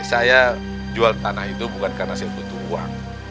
saya jual tanah itu bukan karena saya butuh uang